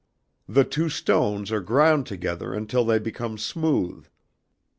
The two stones are ground together until they become smooth.